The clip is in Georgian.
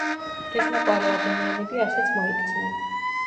ღვთისმოყვარე ადამიანები ასეც მოიქცნენ.